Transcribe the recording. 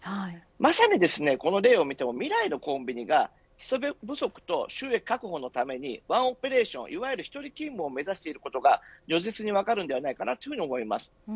まさにこの例を見ても未来のコンビニが人手不足と収益確保のためにワンオペレーション１人勤務を目指していることが如実に分かるのではないかと思います。